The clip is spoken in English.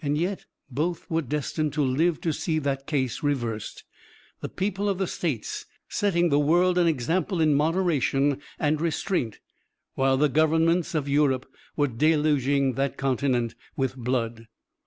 Yet both were destined to live to see the case reversed, the people of the States setting the world an example in moderation and restraint, while the governments of Europe were deluging that continent with blood.